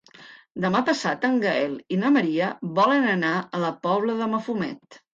Demà passat en Gaël i na Maria volen anar a la Pobla de Mafumet.